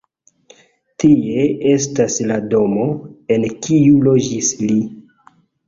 Tie estas la domo, en kiu loĝis li.